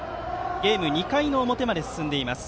ゲームは２回の表まで進んでいます。